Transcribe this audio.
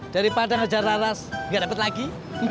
daripada ngejar laras ga dapet lagi